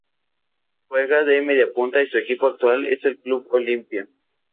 Juega de Mediapunta y su equipo actual es el Club Olimpia.